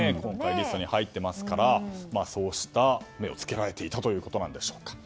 リストに入っていますからそうした、目をつけられていたということなんでしょうか。